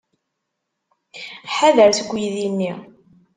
Ḥader seg uydi-nni!